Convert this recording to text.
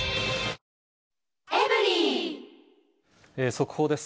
速報です。